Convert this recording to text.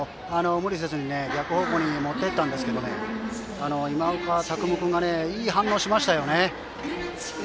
無理せずに逆方向に持っていったんですけど今岡拓夢君がいい反応をしましたね。